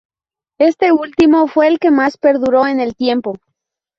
Este último fue el que más perduró en el tiempo.